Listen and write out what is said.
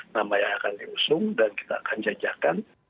nama yang akan diusung dan kita akan jajakan